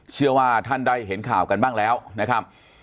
เชื่อว่าท่านได้เห็นข่าวกันบ้างแล้วนะครับ